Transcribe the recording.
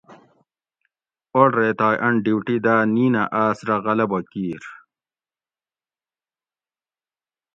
اوڑ ریتائ ان ڈیوٹی دا نینہ آس رہ غلبہ کیر